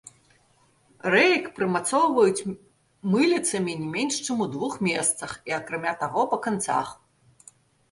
Рэек прымацоўваюць мыліцамі не менш чым у двух месцах, і, акрамя таго, па канцах.